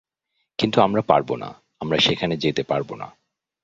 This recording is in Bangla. কিন্তু আমরা পারবোনা, আমরা সেখানে যেতে পারবোনা।